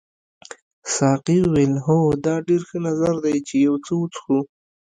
ساقي وویل هو دا ډېر ښه نظر دی چې یو څه وڅښو.